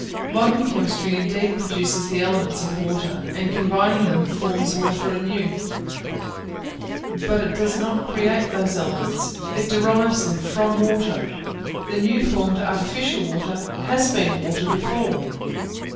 Modern chemistry indeed produces the elements of water, and, combining them, forms water anew; but it does not create those elements it derives them from water; the new formed artificial water has been water before.